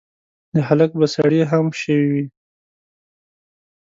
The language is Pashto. د هلک به سړې هم شوي وي.